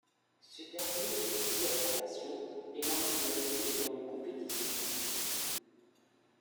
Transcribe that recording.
Ce dernier l'initie à sa passion, et l'emmène avec lui dans les compétitions.